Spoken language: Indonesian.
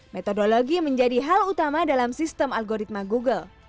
metodologi menjadi hal utama dalam sistem algoritma google